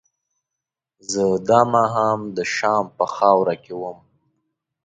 زه دا مهال د شام په خاوره کې وم.